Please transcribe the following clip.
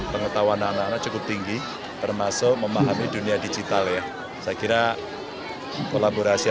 pengetahuan anak anak cukup tinggi termasuk memahami dunia digital ya saya kira kolaborasi